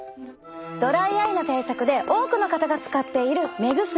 ドライアイの対策で多くの方が使っている目薬。